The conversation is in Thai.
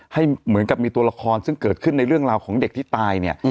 ให้เหมือนกับมีตัวละครซึ่งเกิดขึ้นในเรื่องราวของเด็กที่ตายเนี่ย